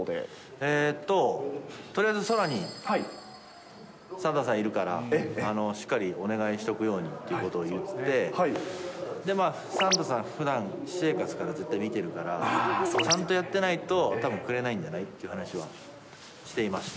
えーっと、とりあえず空にサンタさんいるから、しっかりお願いしておくようにって言って、で、まあ、サンタさん、ふだん私生活からずっと見てるから、ちゃんとやってないと、たぶんくれないんじゃないっていう話はしていまして。